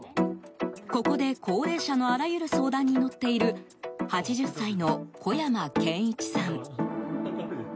ここで、高齢者のあらゆる相談に乗っている８０歳の小山謙一さん。